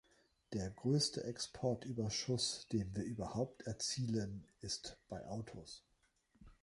Der größte Exportüberschuss, den wir überhaupt erzielen, ist bei Autos.